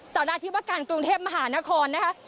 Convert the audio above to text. สาราธิวการกรุงเทพมหานครนะคะ